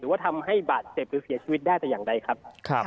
ว่าทำให้บาดเจ็บหรือเสียชีวิตได้แต่อย่างใดครับ